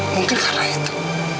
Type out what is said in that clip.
mungkin karena itu